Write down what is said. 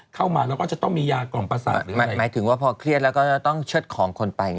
เข้ามาแล้วก็จะต้องมียากล่อมประสาทหรือหมายถึงว่าพอเครียดแล้วก็จะต้องเชิดของคนไปไง